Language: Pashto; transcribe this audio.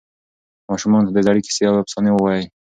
ماشومانو ته د زړې کیسې او افسانې ووایئ.